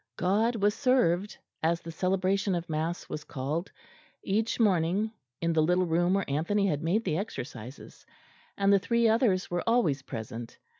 "God was served," as the celebration of mass was called, each morning in the little room where Anthony had made the exercises, and the three others were always present.